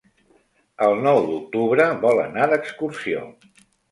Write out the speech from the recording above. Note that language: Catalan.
El nou d'octubre vol anar d'excursió.